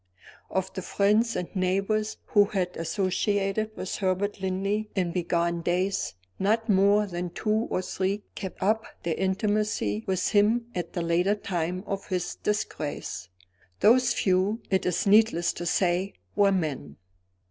Of the friends and neighbors who had associated with Herbert Linley, in bygone days, not more than two or three kept up their intimacy with him at the later time of his disgrace. Those few, it is needless to say, were men.